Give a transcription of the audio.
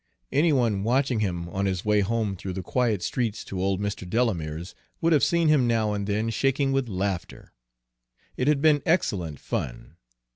Any one watching him on his way home through the quiet streets to old Mr. Delamere's would have seen him now and then shaking with laughter. It had been excellent fun.